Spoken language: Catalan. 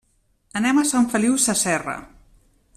Anem a Sant Feliu Sasserra.